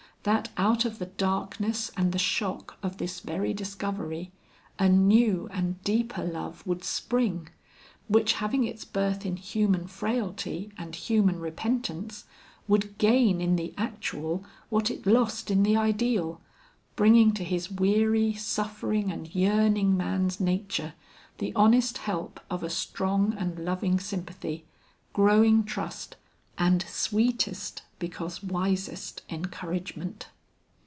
That out of the darkness and the shock of this very discovery, a new and deeper love would spring, which having its birth in human frailty and human repentance, would gain in the actual what it lost in the ideal, bringing to his weary, suffering and yearning man's nature, the honest help of a strong and loving sympathy, growing trust, and sweetest because wisest encouragement.